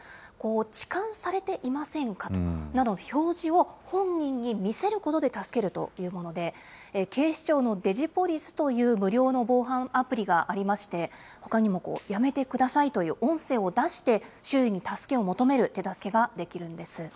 ちかんされていませんかなど、表示を本人に見せることで助けるというもので、警視庁のデジポリスという無料の防犯アプリがありまして、ほかにも、やめてくださいという音声を出して、周囲に助けを求める手助けができるんです。